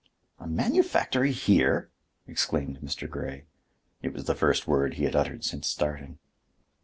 "A manufactory here!" exclaimed Mr. Grey. It was the first word he had uttered since starting.